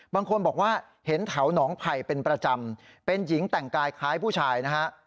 บางคนบอกว่าเห็นแถวหนองไผ่เป็นประจำเป็นหญิงแต่งกายคล้ายผู้ชายนะฮะ